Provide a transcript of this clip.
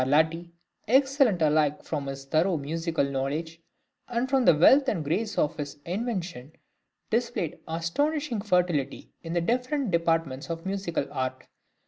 Scarlatti, excellent alike from his thorough musical {OPERA SERIA.} (158) knowledge, and from the wealth and grace of his invention, displayed astonishing fertility in the different departments of musical art.